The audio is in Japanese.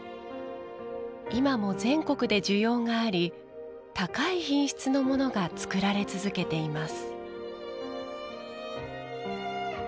今も全国で需要があり高い品質のものが作られ続けています。